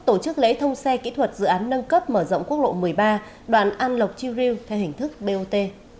tổ chức lễ thông xe kỹ thuật dự án nâng cấp mở rộng quốc lộ một mươi ba đoạn an lộc chiêu riêu theo hình thức bot